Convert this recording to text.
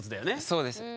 そうです。